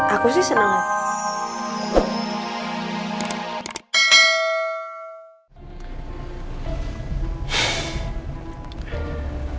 aku sih senang